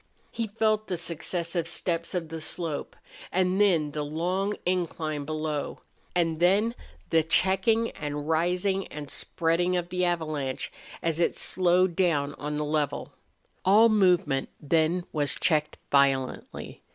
He felt the successive steppes of the slope, and then the long incline below, and then the checking and rising and spreading of the avalanche as it slowed down on the level. All movement then was checked violently.